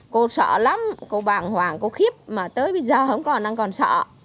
cô sợ lắm cô bàng hoàng cô khiếp mà tới bây giờ không còn đang còn sợ